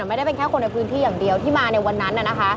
ไม่ได้เป็นแค่คนในพื้นที่อย่างเดียวที่มาในวันนั้น